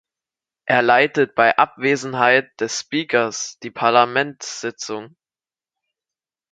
Er leitet bei Abwesenheit des Speakers die Parlamentssitzungen.